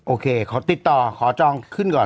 โอเคขอติดต่อขอจองขึ้นก่อน